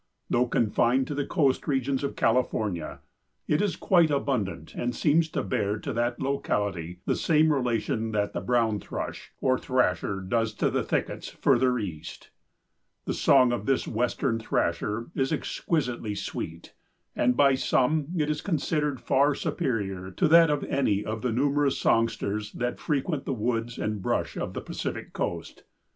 Though confined to the coast regions of California, it is quite abundant and seems to bear to that locality the same relation that the brown thrush, or thrasher, does to the thickets further east. The song of this Western Thrasher is exquisitely sweet, and by some it is considered far superior to that of any of the numerous songsters that frequent the woods and brush of the Pacific coast.